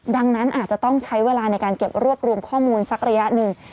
ดังนั้นอาจจะต้องใช้เวลาในการเก็บรวบรวมข้อมูลสักระยะหนึ่ง